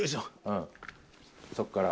うんそこから。